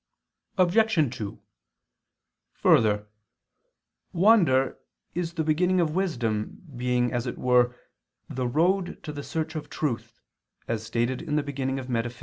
Obj. 2: Further, wonder is the beginning of wisdom, being as it were, the road to the search of truth, as stated in the beginning of _Metaph.